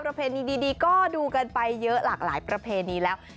ประเภทนี้ดีก็ดูกันไปเยอะหลากหลายประเภทนี้แล้ว